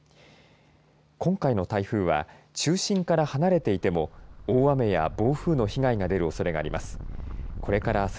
今回の台風は中心から離れていても大雨や暴風の被害が出るおそれもあります。